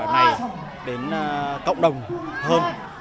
này đến cộng đồng hơn